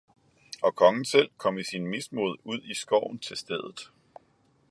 Og kongen selv kom i sin mismod ud i skoven til stedet.